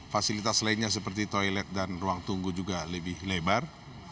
fasilitas lainnya seperti toilet dan ruang tunggu juga lebih lebar